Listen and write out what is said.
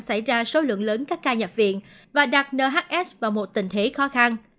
xảy ra số lượng lớn các ca nhập viện và đặt nhs vào một tình thế khó khăn